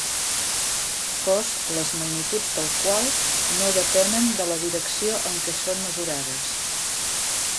Cos les magnituds del qual no depenen de la direcció en què són mesurades.